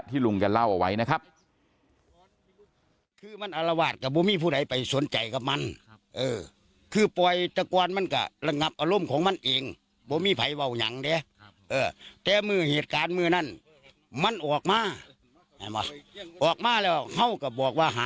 ที่ลุงจะเล่าเอาไว้นะครับ